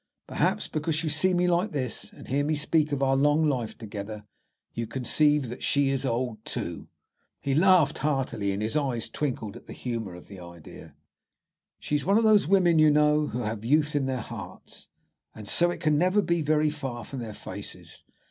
Perhaps, because you see me like this, and hear me speak of our long life together, you conceive that she is old, too." He laughed heartily, and his eyes twinkled at the humour of the idea. "She's one of those women, you know, who have youth in their hearts, and so it can never be very far from their faces.